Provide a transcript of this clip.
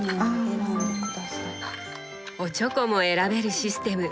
おちょこも選べるシステム。